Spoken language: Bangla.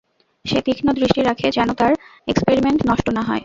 সে তীক্ষ্ণ দৃষ্টি রাখে, যেন তার এক্সপেরিমেন্ট নষ্ট না হয়।